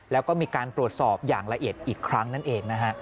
แล้วก็มีการตรวจสอบอย่างละเอียดอีกครั้งนั่นเองนะฮะ